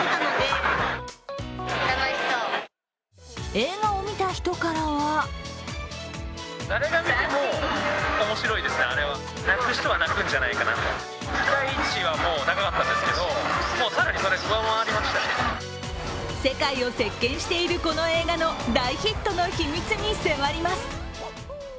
映画を見た人からは世界を席巻しているこの映画の大ヒットの秘密に迫ります。